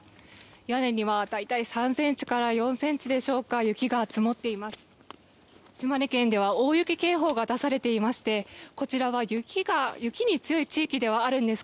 屋根には、大体３ｃｍから４ｃｍでしょうか雪が積もっています。